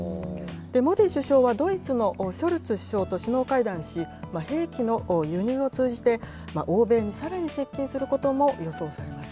モディ首相はドイツのショルツ首相と首脳会談をし、兵器の輸入を通じて、欧米にさらに接近することも予想されます。